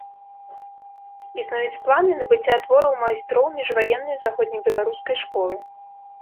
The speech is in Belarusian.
Існуюць планы набыцця твораў майстроў міжваеннай заходнебеларускай школы.